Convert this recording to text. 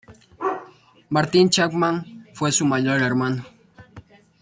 Martin Chapman fue su mayor hermano.